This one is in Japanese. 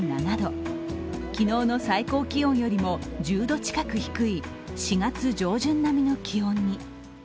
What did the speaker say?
昨日の最高気温よりも１０度近く低い４月上旬並みの気温に。